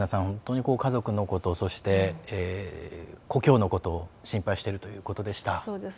本当に家族のことそして故郷のこと心配しているということでした。